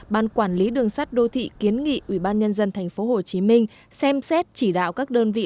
ban quản lý đường sắt đô thị kiến nghị ubnd tp hcm xem xét chỉ đạo các đơn vị